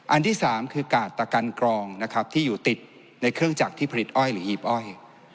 อันที่๓คือกาดตะกันกรองนะครับที่อยู่ติดในเครื่องจักรที่ผลิตอ้อยหรือหีบอ้อย